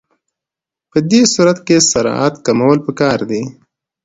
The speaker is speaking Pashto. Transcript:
په دې صورت کې سرعت کمول پکار دي